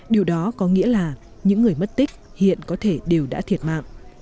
điều đó có nghĩa là những người mất tích hiện có thể đều đã thiệt mạng